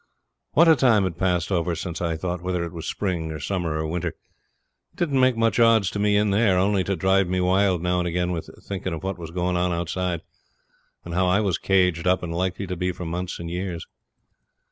What a time had passed over since I thought whether it was spring, or summer, or winter! It didn't make much odds to me in there, only to drive me wild now and again with thinkin' of what was goin' on outside, and how I was caged up and like to be for months and years.